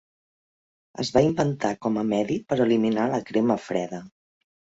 Es va inventar com a medi per eliminar la crema freda.